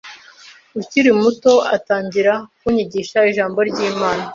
ukiri muto atangira kunyigisha ijambo ry’Imana